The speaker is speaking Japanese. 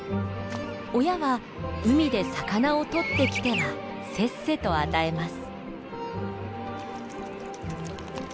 親は海で魚を取ってきてはせっせと与えます。